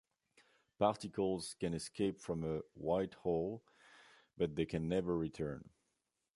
Particles can escape from a white hole but they can never return.